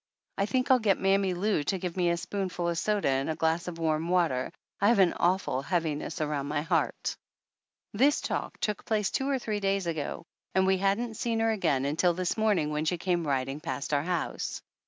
I think I'll get Mammy Lou to give me a spoonful of soda in a glass of warm water. I have an awful heaviness around my heart !" This talk took place two or three days ago and we hadn't seen her again until this morn ing when she came riding past our house.